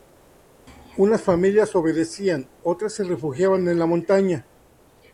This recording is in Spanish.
Unas familias obedecían; otras, se refugiaban en la montaña.